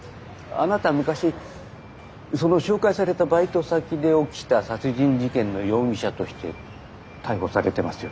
あなた昔その紹介されたバイト先で起きた殺人事件の容疑者として逮捕されてますよね？